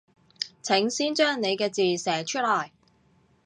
請先將你嘅字寫出來